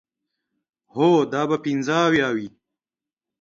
هو، دا به پنځه اویا وي.